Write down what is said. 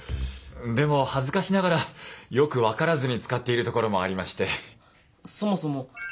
でも恥ずかしながらよく分からずに使っているところもありまして。